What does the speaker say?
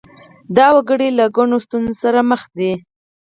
دا وګړي له ګڼو ستونزو سره مخ دي.